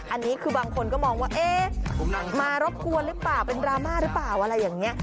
อันนี้บางคนมองว่ามารบกวนหรือเปล่าเป็นดราม่าหรือเปล่า